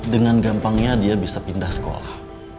dengan gampangnya dia bisa pindah sekolah